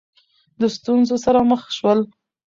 د ستونزو سره مخ شول